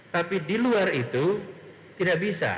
tapi di luar itu tidak bisa